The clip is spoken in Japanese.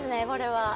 これは。